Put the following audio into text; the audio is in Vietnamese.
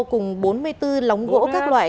cùng bốn mươi bốn lóng gỗ các loại